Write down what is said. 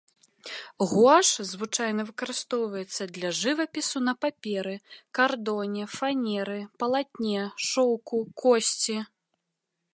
Гуаш звычайна выкарыстоўваецца для жывапісу на паперы, кардоне, фанеры, палатне, шоўку, косці.